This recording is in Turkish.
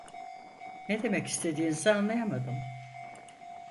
Ne demek istediğinizi anlayamadım.